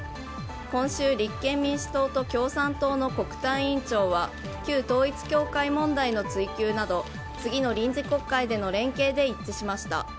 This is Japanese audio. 今週、立憲民主党と共産党の国対委員長は旧統一教会問題の追及など次の臨時国会での連携で一致しました。